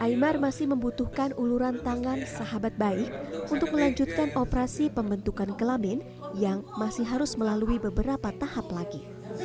imar masih membutuhkan uluran tangan sahabat baik untuk melanjutkan operasi pembentukan kelamin yang masih harus melalui beberapa tahap lagi